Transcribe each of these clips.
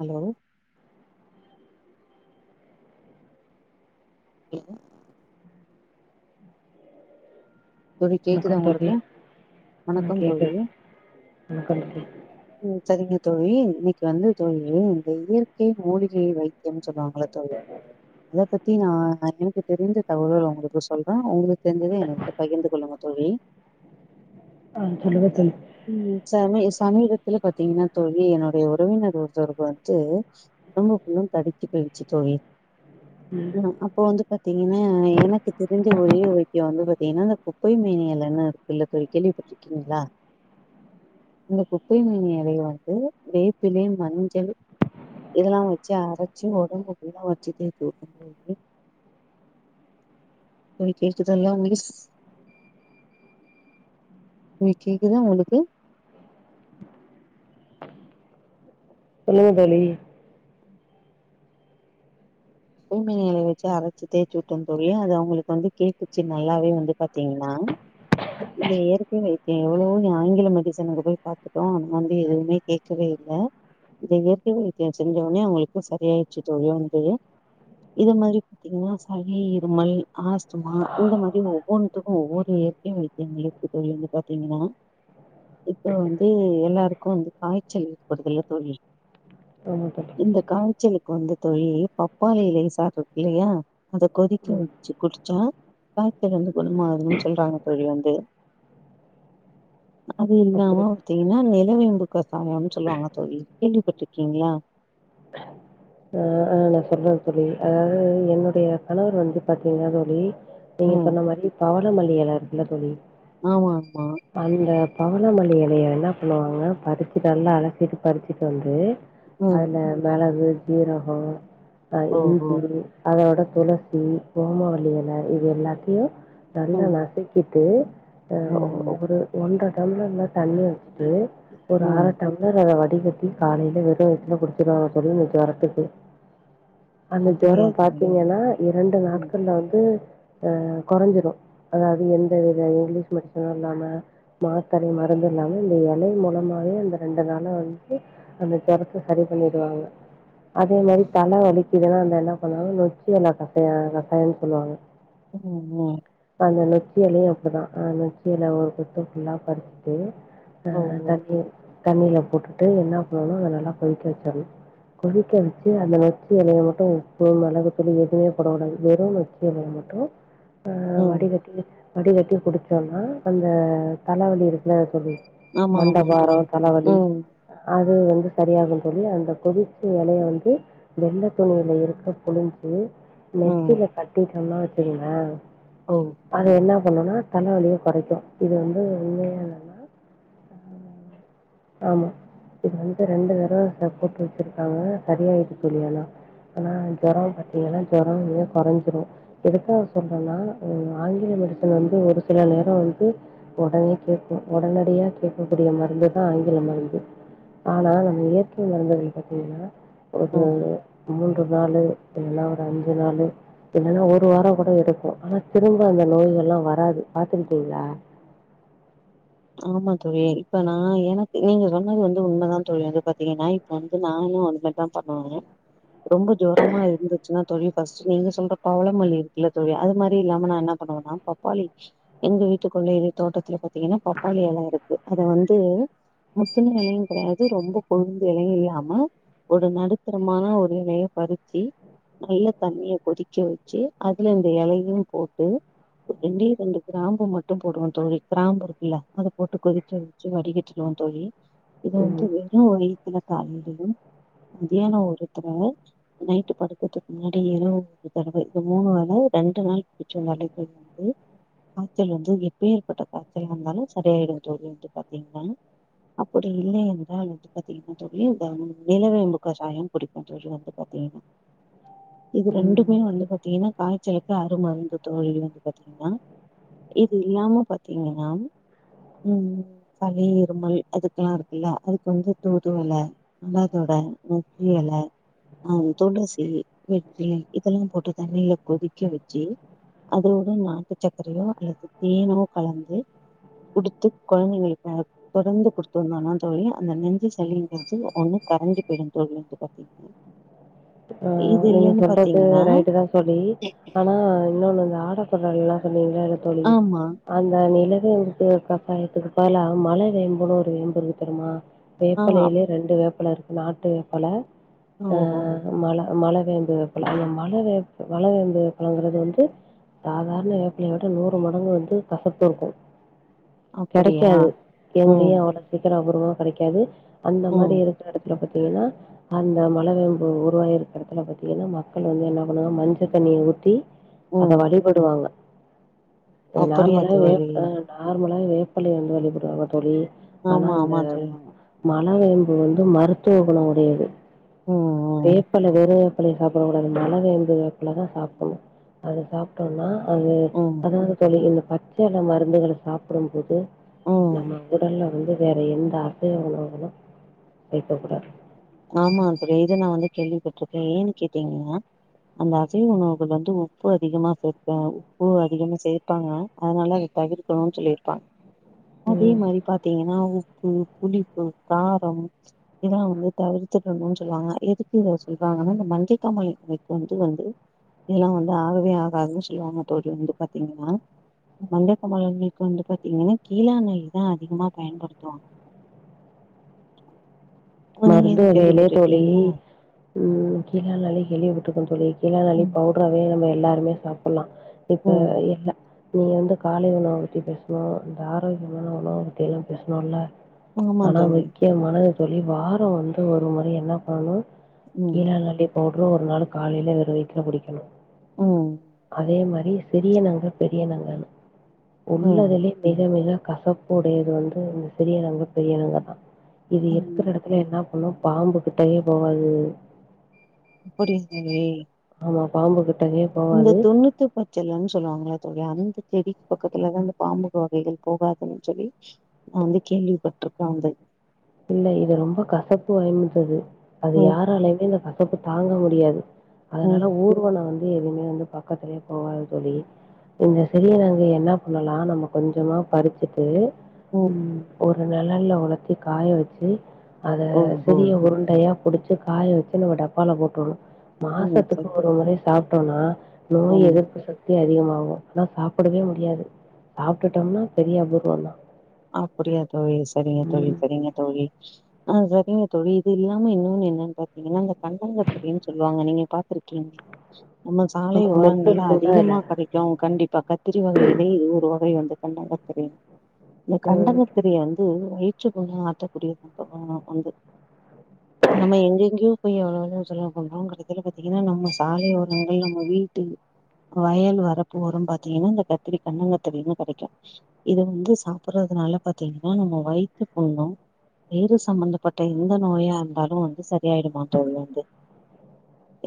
Hello [unintelligible] தோழி கேக்குதா வணக்கம் தோழி உங்களுக்கு ம் வணக்கம் கேக்குது தோழியே வணக்கம் தோழி ம் சரிங்க தோழி இன்னிக்கு வந்து தோழி இந்த இயற்கை மூலிகை வைத்தியம் சொல்லுவாங்கள தோழி அத பத்தி நா எனக்கு தெரிந்த தகவல் நா உங்களுக்கு சொல்ற உங்ளுக்கு தெர்ஞ்சத எனக் சொ பகிர்ந்து கொள்ளுங்க தோழி ஆ சொல்லுங்க தோழி ம் சமீ சமீபத்துல பாத்தீங்ன்னா தோழி என்னோட உறவினர் ஒருத்தருக்கு வந்து [unintelligible] தடித்து போய்ச்சி தோழி ம் அப்ப வந்து பாத்தீங்கன்னி எனக்கு தெரிஞ்ச ஒரே வைத்தியோ வந்து பாத் ஏனா அந்த குப்பை மேனி எலைன் இருக்கு இல்ல தோழி கேள்விபட்ருக்கீங்ளா இந்த குப்பை மேனி எலய வந்து வேப்பிலை மஞ்சள் இதெல்லா வச்சி அரச்சி ஒடம்பு புல்லா வச்சி தேக்கு [unintelligible] [unintelligible] நீ கேக்குதா உங்ளுக்கு சொல்லுங்க தோழி [unintelligible] வெச்சு அரச்சு தேச்சுட்ட தோழி அது அவங்களுக்கு வந்து கேட்டுச்சு நல்லாவே வந்து பாத்தீங்ன்னா இல்ல இயற்கை வைத்தியோ எவ்வளவோ ஆங்கில மெடிசன்க்கு போய் பாத்துட்டோ அது வந்து எதுவுமே கே கவே இல்ல இந்த இயற்கை க்வைத்தியோ செஞ்சோன அவஙங்களுக்கு சரியாய்ச்சு தோழி [unintelligible] இத மாரி பாத்தீங்ன்னா சளி இருமல் ஆஸ்துமா இந்த மாரி ஒவ்வொன்னுத்துக்கோ ஒவ்வொரு இயற்கை [unintelligible] எங்ளுக்கு தெரியோங்க பாத்தீங்கன்னா இப்ப வந்து எல்லாருக்கு வந்து காய்ச்சல் ஏற்படுதுல தோழி என்னபட்ட இந்த காய்ச்சலுக்கு வந்து தோழி பப் பாளி எலைய சாப்டுறகுள்ளயு அத கொதிக்க ம் வச்சு குடிச்சா காய்ச்சல் வந்து குணமாகுதுன் சொல்றாங்க தோழி வந்து அது இல்லாம அப்படி பாத்தீங்கன்னா நெலவேம்பு கசாயம்ன் சொல்லுவாங்க தோழி கேள்விப்பட்ருக்கீங்ளா அ அ நா சொல்ற தோழி அதாவது என்னுடைய கணவர் வந்து பாத்தீங்கன்னா தோழி நீங்க ம் சொன்ன மாறி பவளமல்லி எல்ல இருக்குல்ல தோழி ஆமா ஆமா அந்த பவனமல்லி எலையை என்ன பண்ணுவாங்க பறிச்சு நல்லா அலசிட்டு பறிச்சுட்டு வந்து ம் அதுல மெளகு ஜீரகோ அ ஓஹோ இஞ்சி அதோட துளசி ஓமவல்லி இல இது எல்லாத்தையு நல்லா ம் நசிக்கிட்டு ஒ ஒரு ம் ஒரு ஒன்ர டம்ளர்ல தண்ணி வச்சுட்டு ஒரு அர ம் டம் ர அத வடி கட்டி காலைல வெறு வய்த்துல குடிச்சிருவாங்க தோழி இந்த ஜொரத்துக்கு அந்த ஜொரோ அப்படியா தோழி பாத்தீங்கன்னா இரண்டு ம் நாட்கள்ல வந்து அ கொறஞ்சிடு அதாவது எந்த வித இங்லீஷ் மெடிசனு இல்லாம மாத்தரை மருந்து இல்லாம இந்த இலை மூலமாவே அந்த ரெண்டு நாளா வந்து அந்த தரத்து சரி பண்ணிடுவாங்க அதே மாறி தல வலிக்குதெல்லா அந்த என்ன பண்ணுவாங்க நொச்சி எல பட்டைய கக்காயன்னனு சொல்லுவாங்க ம் ம் த அந்த நொச்சி எலயு அப்டிதா அ நொச்சியெல ஒரு பக்க ஃபுல்லா பறிச்சிட்டு த ஓ ஓ தண்ணிர் தண்ணியில போட்டுட்டு என்னா பண்ணணு அத நல்லா கொதிக்க வெச்சற்ணு க்க வெச்சு அந்த நொச்சி எலய மட்டு உப்பு மெளகு தூளு எதுவுமே போடகூடாது வெறு நொச்சி எலய மட்டு ஆ ம் வடிகட்டி வடிகட்டி குடிச்சோன்னா அந்த தலவலி இருக்ல தோழி ஆமா ஆமா மண்டபாரோ தோழி தலவலி ம் அது வந்து சரியாகுன் தோழி அந்த கொதிச் ச எலய வந்து வெள்ள துணியில இருக்கப் புழிஞ்சு ம் நெத்தில கட்டிட்டன்னா வெச்சிக்கிங்ளே ஓ அது என்ன பண்ணுனா தலவலிய கொறைக்கு இது வந்து உண்மையா என்னன்னா ம் ஆமா இது வந்துட்டு ரெண்டு தட ச போட்டு வெச்சிரு காங்க சரியாயிட்டு தோழி ஆனா அந்த ஜொரொ பாத்தீங்கன்னா ஜொரொ நல்லா கொறஞ்சிது எதுக்காக சொல்றேன்னா ம் ஆங்கில மெடிசன் வந்து ஒரு சில நேரோ வந்து ஒடனே கேக்கு ஒடனடியா கேக்கக்கூடிய மருந்து தா ஆங்கில மருந்து ஆனா நம் இயற்கை மருந்துகள் பாத்தீங்கன்னா ஒரு ம் மூன்று நாளு இல்லன்னா ஒரு அஞ்சு நாளு இல்லன்னா ஒரு வாரோ கூட இருக்கு ஆனா திரும்ப அந்த நோயெல்லா வராது பாத்துருக்கீங்ளா ஆமா தோழி இப்ப நா எனக்கு நீங்க சொன்னது வந்து உண்மதா தோழி வந்து பாத்தீங்கன்னா இ ப்ப வந்து நானு அந்மார்தா பண்ணுவ ரொம்ப ஜொரமா இருந்துச்சுன்னா தோழி பஸ்ட் நீங்க சொல்ற பவளமல்லி இருக்குல தோழி அது மாரி இல்லாம நா என்ன பண்ணுவேன்னா பப்பாளி எங்க வீட்டுக்குள்ளயேவே தோட்டத்துல பாத்தீங்கன்னா பப்பாளி எல இருக்கு அத வந்து முத்துன எலையு கெடையாது ரொம்ப கொழுந்து எலையு இல்லாம ஒரு நடுத்தரமான ஒரு எலய பறிச்சி நல்லா தண்ணிய கொதிக்க வெச்சு அதுல இந்த எலையு போட்டு ரெண்டே ரெண்டு கிராம்பு மட்டு போடுவன் தோழி கிராம்பு இருக்குல்ல அத போட்டு கொதிக்க வெச்சி வடிகட்டிக்குவோ தோழி இத வந்து ம். வெறுவைத்துல காலியிலியு மதியான ஒருத்தரவ நைட்டு படுக்கற்துக் முன்னாடி இரவு ஒரு தடவ இது மூணு வேல ரெண்டு நாள் குடிச்சோனாலே போது வந்து காய்ச்சல் வந்து எப்பேற்பட்ட காச்சலா இருந்தாலு சரியாய்டுங்க தோழி வந்டு பாத்தீங்கன்னா அப்படி இல்லை என்றால் வந்து பாத்தீங்கன்னா தோழி இந்த ம் நிலவேம்பு கசாயம் குடிப்ப தோழி வந்து பாத்தீங்கன்னா இது ம். ரெண்டுமே வந்து பாத்தீங்கன்னா காய்ச்சலு க்கு அருமருந்து தோழி வந்து பாத்தீங்கன்னா இது இல்லாம பாத்தீங்கன்னா ம் சளி இருமல் அதுக்கெல்லா இருக்குல்ல அதுக்கு வந்து தூதுவல ஆடாதொட நொச்சியெல ஆ துளசி வெற்றிலை இதெல்லா போட்டு தண்ணில கொதிக்க வெச்சி அதோடு நாட்டு சக்கரையோ அல்லது தேனோ கலந்து குடுத்து கொழந்தைகளுக்கு தொடந்து குடுத் வந்தானா தோழி அந்த நெஞ்சு சளிங்கிறது ஒண்ணு கரஞ்சி போயிடு தோழி வந்து பாத்தீங்கன் னா ஆ நீங்க சொல்றது ரைட்டு தா தோழி ஆனா இன்னொன்னு அந்த ஆடாதெட எல்லா சொன்னீங்கள தோழி ஆமா அந்த நிலவேம்புக்கு கசாயத்துக்கு பதிலா மலவேம்புனு ஒரு வேம்புருக்கு தெரியுமா ஆ வேப்பெலையியே ரெண்டு வேப்பெல இருக்கு நாட்டு வேப்பெல ஆ ஓஹோ மல மலவேம்பு வேப்பெல அந்த மல மலவேம்பு வேப்பெலங்கறது வந்து சாதாரண வேப்பிலைய விட நூறு மடங்கு வந்து கசப்பு இருக்கு அப்படியா கெடைக்காது ம் எங்கேயு அவ்ளோ சீக்கிரோ அபூர்வோ கெடைக்காது அந்த மாரி ம் இரு க்க எடத்துல பாத்தீங்கன்னா அந்த மலவேம்பு உருவாயிருக் கற எடத்துல பாத்தீங்கன்னா மக்கள் வந்து என்னா பண்ணுவோ மஞ்ச தண்ணிய ஊத்தி அத ம் வழி படுவாங்க அப்படியா நார்மலா தோழி வேப்ப நார்மலா வேப்பெலைய வந்து வழிபடுவாங்க தோழி ஆனா ஆமா இந்த ஆமா தோழி மலவேம்பு வந்து மருத்துவ குணோ உடையது ம் ம் வேப்பல வெறு வேப்பலைய சாப்படக்கூடாது மலவேம்பு வேப்பல தா சாப்படணு அது சாப் ட்டோனா அது ம் ம் அதாவது தோழி இந்த பச்செல மருந்துகள சாப்படும்போது ம் நம்ம உடல்ல வந்து வேற எந்த அசைவ உணவுகளு சேக்க கூடாது ஆமா தோழி இது நா வந்து கேள்விப்பட்டுருக்க ஏன்னு கேட்டீங்கனா அந்த அசைவ உணவுகள் வந்து உப்பு அதிகமாக சேப்பே உப்பு அதிகமா சேப்பாங்கலா அதனால இது தவிர்கனுன்னு சொல்லியிருப்பாங் அதே ம் மாரி பாத்தீங்கன்னா உப்பு புளிப்பு காரம் இதெல்லா வந்து தவிர்த்திடணும்னு சொல்லுவாங்க எதுக்கு இத சொல்றாங்கன்னா இந்த மஞ்சை காமாலை இருக்வங்களுக்கு வந்து இதெல்லா வந்து ஆகவே ஆகாதுன்னு சொல்லுவாங்க தோழி வந்து பாத்தீங்கன்னா மஞ்ச காமாலை வந்து இருக்கவங்க பாத்தீங்கன்னா கீழாநெல்லி தா அதிகமா பயன்படுத்துவாங்க நீங்க மருந்து எதுவு வேலே தோழி கேள்விப்பட்டிருக்கீங்களா ம் கீழாநெல்லி கேள்விபட்டுருக்கே தோழி கீழாநெல்லி ம் பவுட்ரவே நம்ம எல்லாருமே சாப்பல்லா இப்ப ம் இல்ல நீ வந்து காலை உணவ பத்தி பேசுணோ இந்த ஆரோக்கியமான உணவ பத்தி எல்லா பேசுணோல்ல ஆமா ஆனா தோழி. முக்கியமானது தோழி வாரோ வந்து ஒரு முறை என்ன பண்ணணு ம். கீழாநெல்லி பவுடரு ஒரு நாள் காலையில வெறு வயித்துல குடிக்கனு ம் அதே மாரி சிறிய நங்க பெரிய நங்கனு ம். உள்ளதுலே மிக மிக கசப்பு உடையது வந்து இந்த சிறிய நங்க பெரிய நங்க தா இது எதுக் ம். அது என்னா பண்ணு பாம்பு கிட்டயே போவாது அப்படியா தோழி ஆமா பாம்பு கிட்டவே இந்த தொண்ணூத்தி வெற்றுலன்னு சொல்லுவாங்கள அதோட அந்த செடிக் பக்கத்துல தா அந்த பாம்பு வகைகள் போகாதுன்னு சொல்லி நா வந்து கேள்விப்பட்ருக்கோ அது இல்ல இது ரொம்ப கசப்பு வகையின்றது அது ம். யாராலயுமே இந்த கசப் கசப்பு தாங்க முடியாது அதனால ம். ஊர்வன வந்து எதுவுமே வந்து பக்கத்துலயே போவாது தோழி இந்த சிறியனங்க என்னா பண்ணலா நம்ம கொஞ்சமா பறிச்சிட்டு ம் ஒரு நிழல்ல உளுத்தி காய வச்சி அத ஓஹோ! சிறிய உருண்டையா புடிச்சு காய வெச்சி நம்ம டப்பால போட்ருணு ம். மாசத்துக்கு சரி. ஒரு முறை சாப்டோம்னா நோய் ம். எதிர்ப்பு சக்தி தி அதிகமாகு ஆனா சாப்படவே முடியாது சாப்டுட்டோம்னா பெரிய அபூர்வோ தா அப்புடியா தோழி செரிங்க தோழி செரிங்க தோழி ஆ செரிங்க தோழி இது இல்லாம இன்னொன்னு என்னான்னு பாத்தீங்கன்னா இந்த கண்டங்கத்திரின்னு சொல்லுவாங்க நீங்க பாத்திருக்கீங் நம்ம சாலை மொட்டு ஓரங்கள்லா இருக்கும்ல அதுல அதிகமா கடைக் க்கு கண்டிப்பா கத்திரி வகையிலே இது ஒரு வகை வந்து கண்டங்கத்திரி இந்த கண்டங்கத்ரிய வந்து வயிற்று புண்ண ஆத்தக்கூடிய சொல்றாங்க வந்து நம்ம எங் எங்யோ போய் எவ்ளோ எவ்ளோவோ சொலவு பண்றோ கடைசில பாத்தீங்கன்னா நம்ம சாலைய ஒரங்கள் நம்ம வீட்டு வயல் வரப்பு வரும் பாத்தீங்கனா இந்த கத்திரி கண்டங்கத்திரி கடைக்கு இது வந்து சா சாப்புறதுனால பாத்தீங்கன்னா நம்ம வயித்து புண்ணு வயிறு சம்பந்தப்பட்ட எந்த நோயா இருந்தாலு வந்து சரியாயிடுமா தோழி வந்து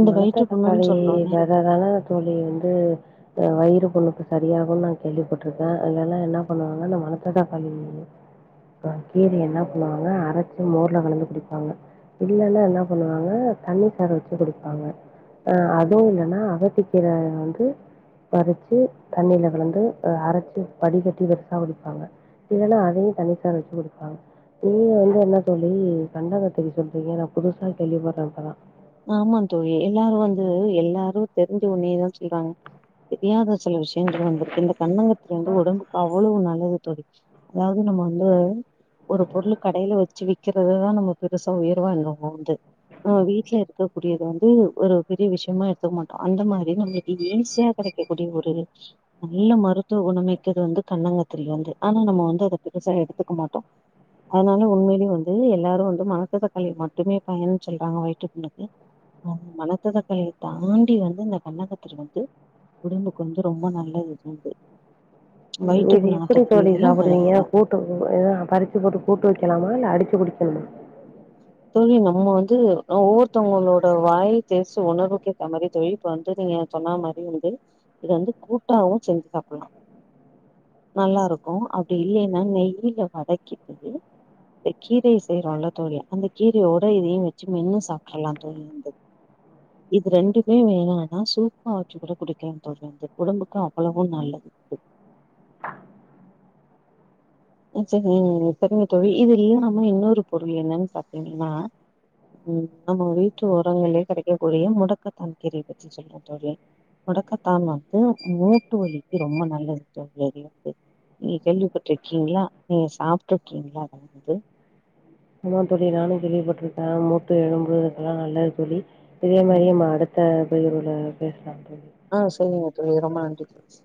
இந்த வயிற்றுப்புண்ணுன் சொல்றோன்னே அதனால தா தோழி வந்து அ வயிறு புண்ணுக்கு சரியாகுன்னு நா கேள்விப்பட்ருக்கே அதனால என்ன பண்ணுவாங்க இந்த மனத்த தக்காளி அப்போ கீரைய என்ன பண்ணுவாங்க அரைச்சி மோர்ல களந்து குடிப்பாங்க இல்லன்னா என்ன பண்ணுவாங்க தண்ணி சாறு வச்சு குடி ப்பாங்க ஆ அதுவு இல்லனா அகத்திக்கீர வந்து பறிச்சு தண்ணில கலந்து அத அரச்சு வடிகட்டி வெறுசா குடிப்பாங்க இல்லனா அதையு தண்ணி சாறு வச்சு குடிப்பாங்க நீங்க வந்து என்ன தோழி கண்டங்கத்திரி சொல்றீங்க நா புதுசா கேள்வி பட்ற இப்பதா ஆமா தோழி எல்லாரு வந்து எல்லாரு தெரிஞ்ச ஒண்ணேதா சொல்றாங்க தெரியாத சில விஷயங்கள் வந்து இருக்கு இந்த கண்டங்கத்தரி வந்து உடம்க்கு அவ்வளோ நல்லது தோழி அதாவது நம்ம வந்து ஒரு பொருள் கடையில வச்சு விக்கறததா நம்ம பெருசா உயர்வா எண்ணுவோ வந்து நம்ம வீட்ல இரு க்கக்கூடியத வந்து ஒரு பெரிய விஷயமா எடுத்துக்க மாட்டோ அந்த மாரி நம்மளுக்கு ஈசியா கெடைக்கக்கூடிய ஒரு நல்ல மருத்துவ குணம் மிக்கது வந்து கண்டங்கத்திரி வந்து ஆனா நம்ம வந்து அத பெருசா எடுத்துக்க மாட்டோ அதனால உண்மையிலயே வந்து எல்லாரு வந்து மணத்ததக்காளி மட்டுமே பயன்னு சொல்றாங்க வயிற்று புண்ணுக்கு ஆனா மணத்தக்காளிய தாண்டி வந்து இந்த கண்டங்கத்திரி வந்து உடம்புக்கு வந்து ரொம்ப நல்லது இது வந்து வயிற்றுக்கு இது எப்டி தோழி நாத்தக்கூடியதுல சாப்புடுவீங்க முதல்தான் கூட் டு இதா பறிச்சு போட்டு கூட்டு வைக்கலாமா இல்ல அடிச்சு குடிக்கணுமா தோழி நம்ம வந்து ஒவ்வொருத்தவங்களோட வாய் டேஸ்ட் உணர்வுக்கேத்தாமாரி தோழி இப்ப வந்து நீங்க சொன்ன மாரி வந்து இத வந்து கூட்டாவு செஞ்சு சாப்புட்லா நல்லாருக்கு அப்டி இல்லன்னா நெய்யில வதக்கிட்டு இந்த கீரைய செய்றோல்ல தோழி அந்த கீரையோட இதையு வச்சு மென்னு சாப்ட்றலா தோழி இது ரெண்டுமே வேணானா சூப்பா வச்சு கூட குடிக்கலா தோழி இது உடம்புக்கு அவ்வளவு நல்லது ஆ சேரிங்க சேரிங்க தோழி இது இல்லாம இன்னொரு பொருள் என்னன்னு பாத்தீங்கனா ம் நம்ம வீட்டு ஓரங்கள்லயே கெடைக்கக் கூடிய முடக்கத்தான்கீரய பத்தி சொல்லுங்க தோழி முடக்கத்தான் வந்து மூட்டு வலிக்கு ரொம்ப நல்லது தோழி அது வந்து நீங்க கேள்விப்பட்ருக்கீங்ளா நீங்க சாப்ட்ருக்கீங்களா அத வந்து ஆமா தோழி நானு கேள்விப்பட்டுருக்கே மூட்டு எலும்பு இதுக்கெல்லா நல்லது தோழி இதே ம் மாரியே நம்ம அடுத்த பதிவுல பேசலா தோழி ஆ சரிங்க தோழி ரொம்ப நன்றி தோழி